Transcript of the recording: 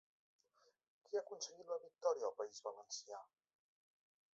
Qui ha aconseguit la victòria al País Valencià?